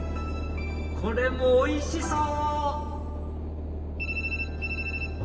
これもおいしそう！